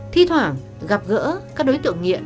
thí thoảng gặp gỡ các đối tượng nghiện